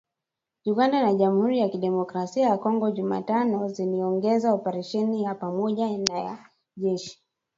Uganda na Jamhuri ya Kidemokrasi ya Kongo Jumatano ziliongeza operesheni ya pamoja ya kijeshi.